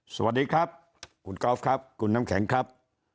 สวัสดีครับคุณกอล์ฟครับคุณน้ำแข็งครับ